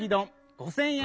５，０００円。